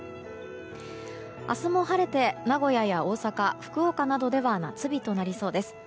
明日も晴れて名古屋や大阪福岡などでは夏日となりそうです。